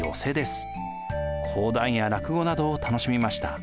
講談や落語などを楽しみました。